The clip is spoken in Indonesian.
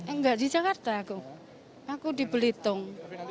enggak di jakarta aku aku di belitung